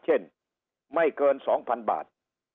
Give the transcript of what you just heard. เช่นไม่เกิน๒๐๐๐บาท